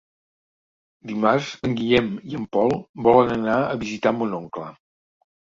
Dimarts en Guillem i en Pol volen anar a visitar mon oncle.